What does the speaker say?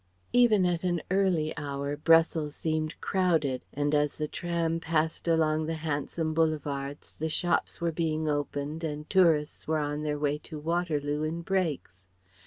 Even at an early hour Brussels seemed crowded and as the tram passed along the handsome boulevards the shops were being opened and tourists were on their way to Waterloo in brakes.